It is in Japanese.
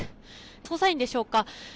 捜査員でしょうか。